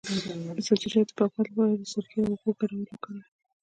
د سبزیجاتو د پاکوالي لپاره د سرکې او اوبو ګډول وکاروئ